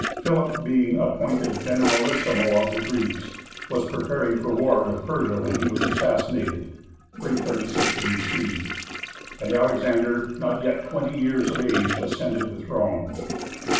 Philip, being appointed generalissimo of the Greeks, was preparing for a war with Persia, when he was assassinated (336 B.C.), and Alexander, not yet twenty years of age, ascended the throne.